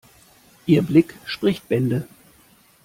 Ihr Blick spricht Bände.